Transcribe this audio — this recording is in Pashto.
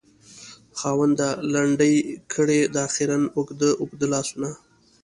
خاونده! لنډ کړې دا خیرن اوږده اوږده لاسونه